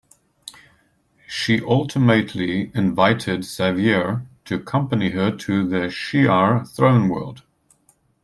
She ultimately invited Xavier to accompany her to the Shi'ar throne-world.